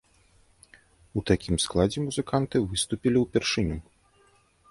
У такім складзе музыканты выступілі ўпершыню.